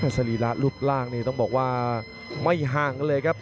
สรีระรูปร่างนี่ต้องบอกว่าไม่ห่างกันเลยครับ